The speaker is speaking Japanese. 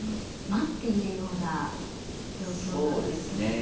待っているような状況なんですね。